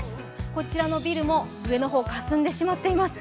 こちらのビルも上の方、かすんでしまっています。